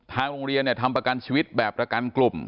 ทางโรงเรียนทำประกันชีวิตแบบประกันกลุ่ม